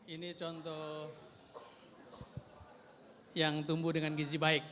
ini contoh yang tumbuh dengan gizi baik